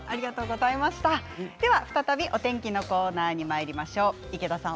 再びお天気のコーナーにまいりましょう。